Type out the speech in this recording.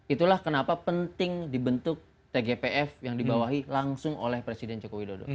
itulah kenapa penting dibentuk tgpf yang dibawahi langsung oleh presiden joko widodo